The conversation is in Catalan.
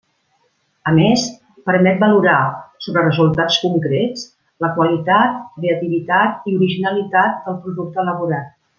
A més, permet valorar, sobre resultats concrets, la qualitat, creativitat i originalitat del producte elaborat.